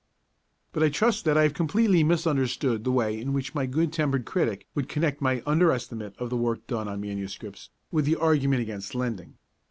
But I trust that I have completely misunderstood the way in which my good tempered critic would connect my under estimate of the work done on MSS. with the argument against lending.